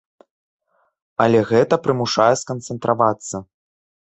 Але гэта прымушае сканцэнтравацца.